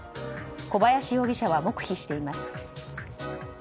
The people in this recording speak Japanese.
小林容疑者は黙秘しています。